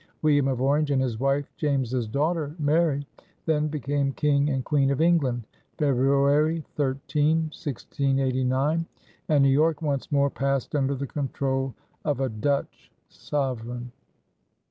William of Orange and his wife, James's daughter Mary, then became King and Queen of England (February 13, 1689) and New York once more passed under the control of a Dutch sovereign.